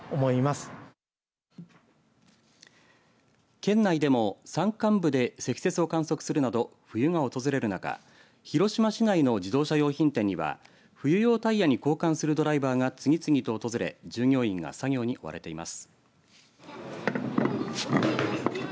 県内でも山間部で積雪を観測するなど冬が訪れる中広島市内の自動車用品店には冬用タイヤに交換するドライバーが次々と訪れ従業員が作業に追われています。